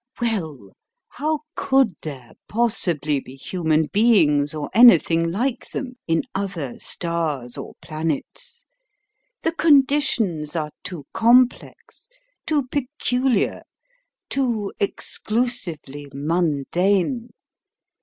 Well, how could there possibly be human beings, or anything like them, in other stars or planets? The conditions are too complex, too peculiar, too exclusively mundane.